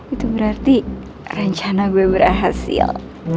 itu berarti rencana gue berhasil